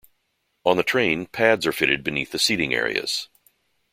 On the train, pads are fitted beneath the seating areas.